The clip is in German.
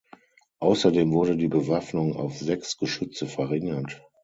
Außerdem wurde die Bewaffnung auf sechs Geschütze verringert.